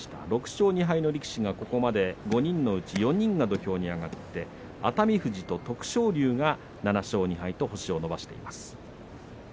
６勝２敗の力士がここまで５人のうち４人が土俵に上がって熱海富士と徳勝龍が７勝２敗と星を伸ばしています。